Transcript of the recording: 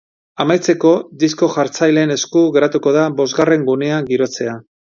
Amaitzeko, disko-jartzaileen esku geratuko da bosgarren gunea girotzea.